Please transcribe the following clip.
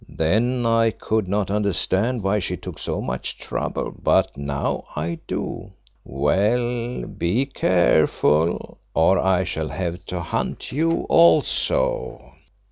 Then I could not understand why she took so much trouble, but now I do. Well, be careful, or I shall have to hunt you also."